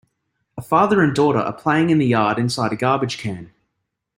A father and daughter are playing in the yard inside a garbage can.